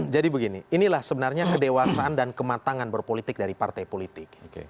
jadi begini inilah sebenarnya kedewasan dan kematangan berpolitik dari partai politik